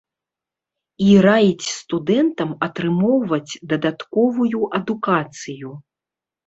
І раіць студэнтам атрымоўваць дадатковую адукацыю.